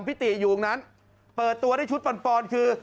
พิติอยู่ตรงนั้นเปิดตัวในชุดปันปอนคือ